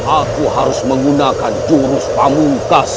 aku harus menggunakan jurus pamungkas